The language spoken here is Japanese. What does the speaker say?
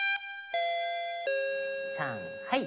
さんはい！